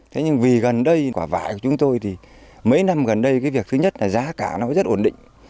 thế nhưng vì gần đây quả vải của chúng tôi thì mấy năm gần đây cái việc thứ nhất là giá cả nó rất ổn định